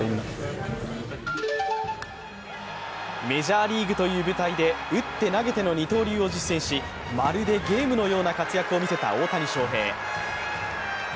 メジャーリーグという舞台で打って投げての二刀流を実践しまるでゲームのような活躍を見せた大谷翔平。